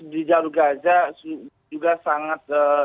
di jalur gaza juga sangat